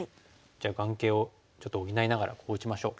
じゃあ眼形をちょっと補いながらここ打ちましょう。